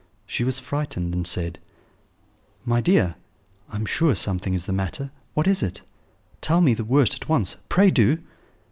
She was frightened, and said: "My dear, I am sure something is the matter; what is it? Tell me the worst at once; pray do!"